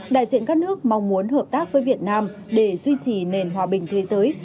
đại diện các nước mong muốn hợp tác với việt nam để duy trì nền hòa bình thế giới